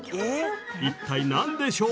一体何でしょう？